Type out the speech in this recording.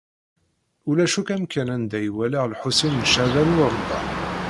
Ulac akk amkan anda i walaɣ Lḥusin n Caɛban u Ṛemḍan.